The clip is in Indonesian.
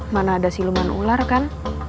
mana ada siluman ular kan